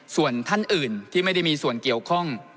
ส่วนท่านอื่นที่ไม่ได้มีส่วนเกี่ยวข้อง